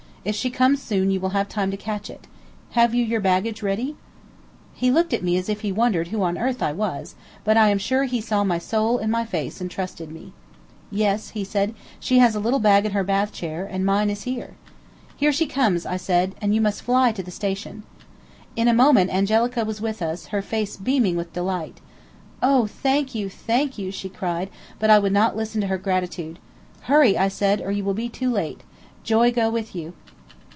If she comes soon you will have time to catch it. Have you your baggage ready?" He looked at me as if he wondered who on earth I was, but I am sure he saw my soul in my face and trusted me. "Yes," he said, "she has a little bag in her bath chair, and mine is here." "Here she comes," said I, "and you must fly to the station." In a moment Angelica was with us, her face beaming with delight. "Oh, thank you, thank you!" she cried, but I would not listen to her gratitude. "Hurry!" I said, "or you will be too late. Joy go with you."